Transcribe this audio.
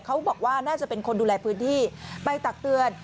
เขาบอกว่าน่าจะเป็นคนดูแลพื้นที่ไปตักเตือน